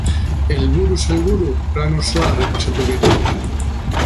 Helburuz helburu plan osoa errepasatu genuen.